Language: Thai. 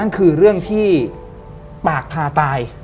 คือเรื่องที่ปากคาตาย